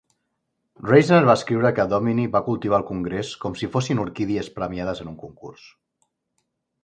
Reisner va escriure que Dominy va cultivar el Congrés com si fossin orquídies premiades en un concurs...